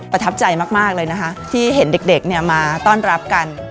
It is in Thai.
ประทับใจมากเลยนะคะที่เห็นเด็กมาต้อนรับกัน